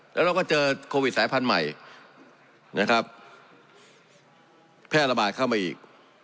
แล้วเราก็เจอโควิดสายพันธุ์ใหม่นะครับแพร่ระบาดเข้ามาอีก